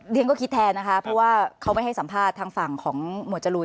ฉันก็คิดแทนนะคะเพราะว่าเขาไม่ให้สัมภาษณ์ทางฝั่งของหมวดจรูน